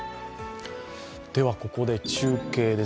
ここで中継です。